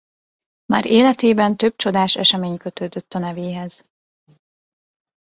Már életében több csodás esemény kötődött a nevéhez.